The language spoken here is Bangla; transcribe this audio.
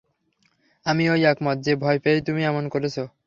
আমিও একমত যে ভয় পেয়েই তুমি এমন করেছ।